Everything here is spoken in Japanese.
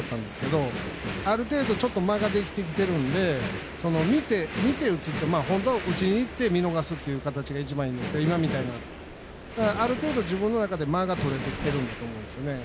でも、ある程度間ができているので見て打つって本当は打ちにいって見逃すという形が一番いいんですけどある程度、自分の中で間がとれてこれてると思うんですよ。